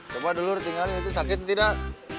coba dulu tinggalin itu sakit tidak